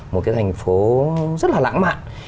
một cái thành phố rất là lãng mạn